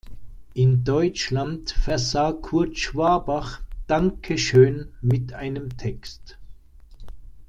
In Deutschland versah Kurt Schwabach "Danke Schön" mit einem Text.